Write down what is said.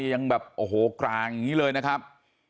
ยังแบบโอ้โหกลางอย่างนี้เลยนะครับ